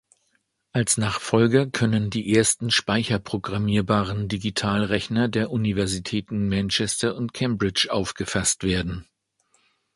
Als Nachfolger können die ersten speicherprogrammierbaren Digitalrechner der Universitäten Manchester und Cambridge aufgefasst werden.